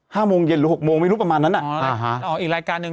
โมงเย็นหรือหกโมงไม่รู้ประมาณนั้นอ่ะใช่ฮะอ๋ออีกรายการหนึ่ง